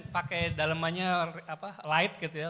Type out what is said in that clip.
pakai dalemannya light gitu ya